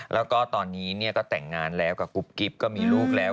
แล้วก็ตอนนี้ก็แต่งงานแล้วกับกุ๊บกิ๊บก็มีลูกแล้ว